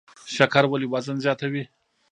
شکر ولې وزن زیاتوي؟